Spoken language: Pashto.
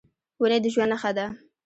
ونې د ژوند نښه ده.